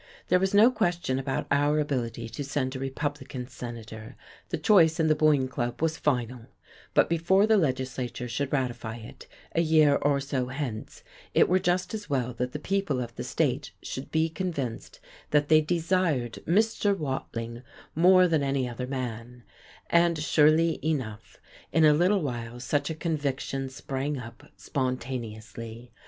There was no question about our ability to send a Republican Senator; the choice in the Boyne Club was final; but before the legislature should ratify it, a year or so hence, it were just as well that the people of the state should be convinced that they desired Mr. Watling more than any other man; and surely enough, in a little while such a conviction sprang up spontaneously.